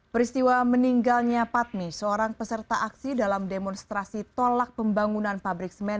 peristiwa meninggalnya patmi seorang peserta aksi dalam demonstrasi tolak pembangunan pabrik semen